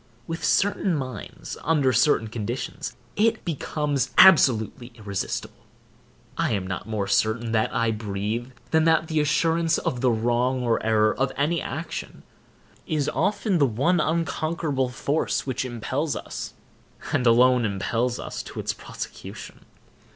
With certain minds, under certain conditions, it becomes absolutely irresistible. I am not more certain that I breathe, than that the assurance of the wrong or error of any action is often the one unconquerable force which impels us, and alone impels us to its prosecution.